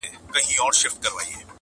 په نوراني غېږ کي دي مه لویوه٫